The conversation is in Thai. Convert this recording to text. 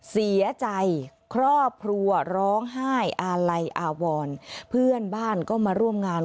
เสียใจครอบครัวร้องไห้อาลัยอาวรเพื่อนบ้านก็มาร่วมงาน